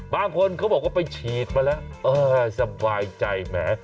บางคนเขาบอกว่าไปฉีดมาแล้วเออสบายใจแหม